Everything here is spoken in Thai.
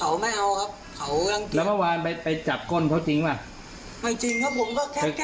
ถ้าไม่ให้ก็นั่งอยู่อย่างนั้นจนกว่าจะให้หรือ